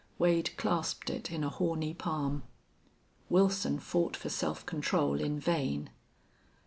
Wade clasped it in a horny palm. Wilson fought for self control in vain.